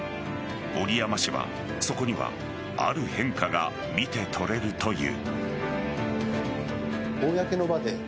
折山氏は、そこにはある変化が見て取れるという。